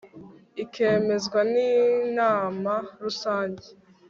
ikemezwa n'inama rusange